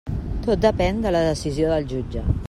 Tot depèn de la decisió del jutge.